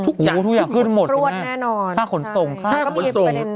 ทุกอย่างขึ้นหมดรวดแน่นอนค่าขนส่งค่าขนส่ง